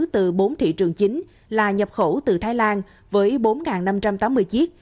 tổng cục hải quan nhập khẩu từ bốn thị trường chính là nhập khẩu từ thái lan với bốn năm trăm tám mươi chiếc